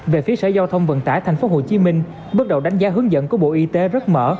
về phía sở giao thông vận tải tp hcm bước đầu đánh giá hướng dẫn của bộ y tế rất mở